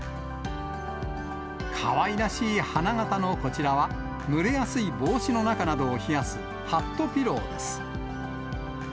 かわいらしい花形のこちらは、蒸れやすい帽子の中などを冷やす、ハットピローです。